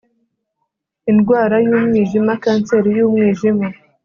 indwara yumwijima kanseri yumwijima